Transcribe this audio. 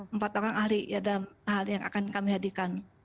empat orang ahli dalam hal yang akan kami hadirkan